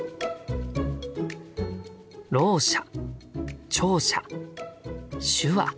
「ろう者」「聴者」「手話」。